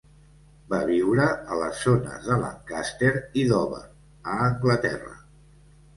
Va viure a les zones de Lancaster i Dover, a Anglaterra.